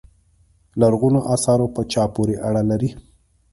لرغونو اثار په چا پورې اړه لري.